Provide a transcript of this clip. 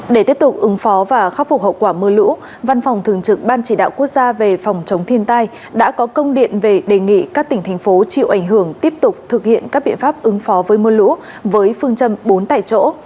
để tiếp tục ứng phó và khắc phục hậu quả mưa lũ văn phòng thường trực ban chỉ đạo quốc gia về phòng chống thiên tai đã có công điện về đề nghị các tỉnh thành phố chịu ảnh hưởng tiếp tục thực hiện các biện pháp ứng phó với mưa lũ với phương châm bốn tại chỗ